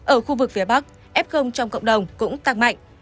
ở khu vực phía bắc f trong cộng đồng cũng tăng mạnh